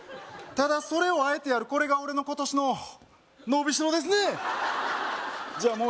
ただそれをあえてやるこれが俺の今年の伸びしろですねじゃ